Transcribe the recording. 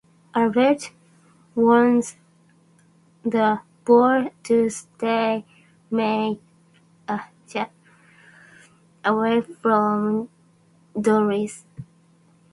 Albert warns the boy to stay away from Doris.